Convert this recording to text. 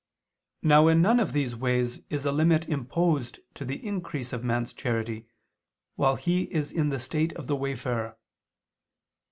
Now, in none of these ways, is a limit imposed to the increase of man's charity, while he is in the state of the wayfarer.